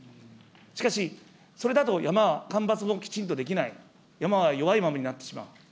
しかし、それだと山は間伐もきちんとできない、山は弱いものになってしまう。